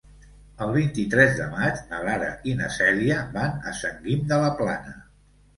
El vint-i-tres de maig na Lara i na Cèlia van a Sant Guim de la Plana.